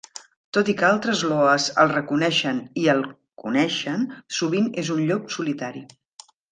Tot i que altres Loas el reconeixen i el coneixen, sovint és un Llop Solitari.